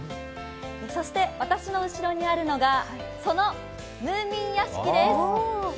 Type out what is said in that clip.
そして私の後ろにあるのが、そのムーミン屋敷です。